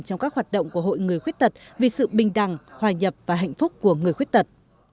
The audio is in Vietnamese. trong các hoạt động của hội người khuyết tật vì sự bình đẳng hòa nhập và hạnh phúc của người khuyết tật